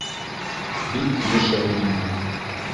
Бик килешә үҙенә.